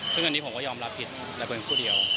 ซึ่งอันนี้ผมก็ยอมรับผิดแต่เป็นผู้เดียว